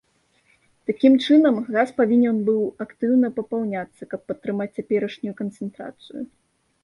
Такім чынам, газ павінен быў актыўна папаўняцца, каб падтрымаць цяперашнюю канцэнтрацыю.